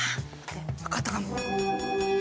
分かったかも。